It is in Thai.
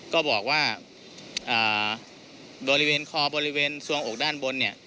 ก็บอกว่าบริเวณคอบริเวณสวงอกด้านบนเนี่ย